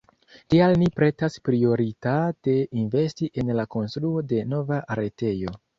Tial ni pretas prioritate investi en la konstruo de nova retejo.